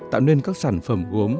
tạo nên các sản phẩm gốm